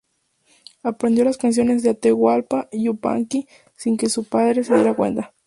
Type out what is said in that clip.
Aprendió las canciones de Atahualpa Yupanqui sin que su padre se diera cuenta.